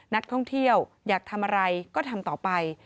นักท่องเที่ยวอยากทำอะไรก็ทำต่อไป